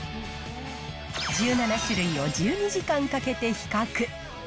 １７種類を１２時間かけて比較。